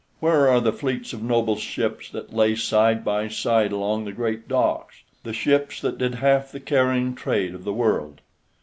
Where are the fleets of noble ships that lay side by side along the great docks, the ships that did half the carrying trade of the world?